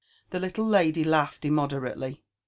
The little lady laughed immoderately.